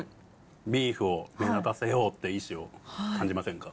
ビーフを目立たせようっていう意志を感じませんか。